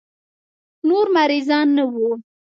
نور مريضان نه وو.